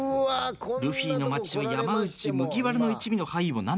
ルフィの待ち山内麦わらの一味の牌を何と４枚。